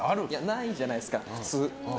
ないじゃないですか、普通。